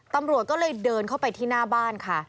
ตำรวจก็เลยเดินเข้าไปที่หน้าบ้านค่ะ